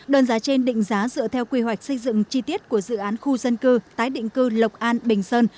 đơn giá trên định giá dựa theo quy hoạch xây dựng chi tiết của dự án khu dân cư tái định cư lộc an bình sơn